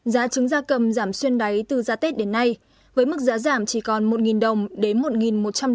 giá trứng gia cầm giảm xuyên đáy từ giá tết đến nay với mức giá giảm chỉ còn một đồng đến một một trăm linh đồng một quả